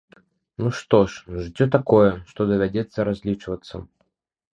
Ну што ж, жыццё такое, што давядзецца разлічвацца.